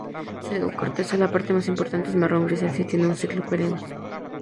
Su corteza, la parte más importante, es marrón grisáceo y tiene un ciclo perenne.